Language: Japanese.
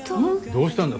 どうしたんだ？